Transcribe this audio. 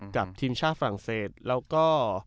กับทีมชาติฝรั่งเศสแล้วก็